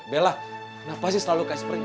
bella kenapa sih selalu kasih periksa